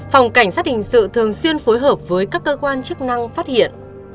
phòng cảnh sát hình sự thường xuyên phối hợp với các cơ quan chức năng phát hiện